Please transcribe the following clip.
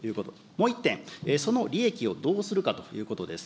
もう１点、その利益をどうするかということです。